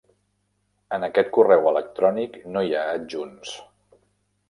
En aquest correu electrònic no hi ha adjunts.